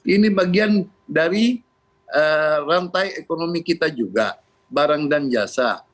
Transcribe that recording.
ini bagian dari rantai ekonomi kita juga barang dan jasa